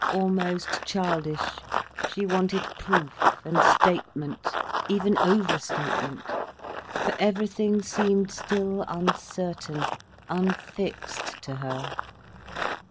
Almost childish, she wanted proof, and statement, even over statement, for everything seemed still uncertain, unfixed to her.